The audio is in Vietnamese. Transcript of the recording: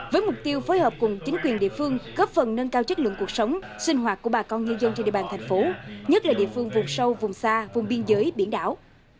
với mục tiêu phối hợp cùng chính quyền địa phương góp phần nâng cao chất lượng cuộc sống sinh hoạt của bà con ngư dân trên địa bàn thành phố nhất là địa phương vùng sâu vùng xa vùng biên giới biển đảo